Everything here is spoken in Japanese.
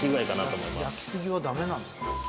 焼きすぎはダメなんだ。